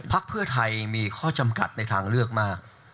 เพื่อไทยมีข้อจำกัดในทางเลือกมาก